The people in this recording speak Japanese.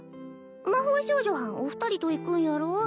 魔法少女はんお二人と行くんやろ？